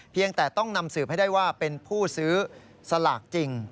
เพียงแต่ต้องนำสืบให้ได้ว่าเป็นผู้ซื้อสลากจริง